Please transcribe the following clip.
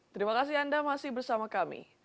terima kasih anda masih bersama kami